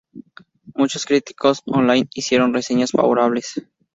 Muchos críticos on-line hicieron reseñas favorables.